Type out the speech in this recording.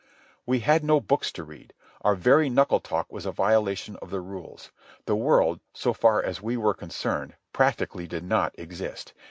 We had no books to read. Our very knuckle talk was a violation of the rules. The world, so far as we were concerned, practically did not exist.